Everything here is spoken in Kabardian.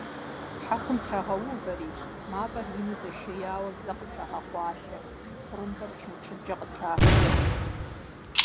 Хьэкум трагъэувэри, мафӀэр ину дэшеяуэ зэ къытрагъэкъуалъэ, тхъурымбэр чымчыркӀэ къытрахыурэ.